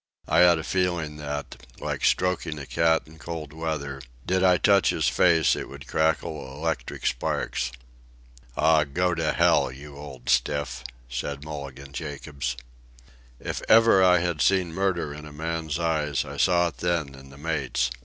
I had a feeling that, like stroking a cat in cold weather, did I touch his face it would crackle electric sparks. "Aw, go to hell, you old stiff," said Mulligan Jacobs. If ever I had seen murder in a man's eyes, I saw it then in the mate's.